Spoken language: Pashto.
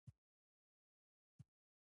ځيني مېلې د وطن دوستۍ احساس پیاوړی کوي.